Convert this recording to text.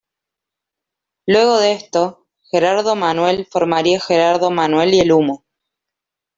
Luego de esto Gerardo Manuel formaría Gerardo Manuel y El Humo.